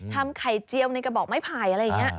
ทำไข่เจียวในกระบอกไม้ไผ่อะไรอย่างนี้